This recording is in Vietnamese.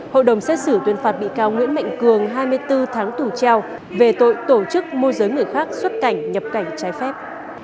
hội đồng xét xử tuyên phạt bị cáo nguyễn mạnh cường hai mươi bốn tháng tù treo về tội tổ chức môi giới người khác xuất cảnh nhập cảnh trái phép